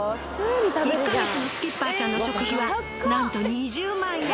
１カ月のスキッパーちゃんの食費はなんと２０万円！